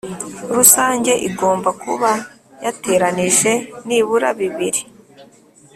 rusange igomba kuba yateranije nibura bibiri